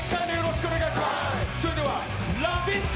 それでは、「ラヴィット！」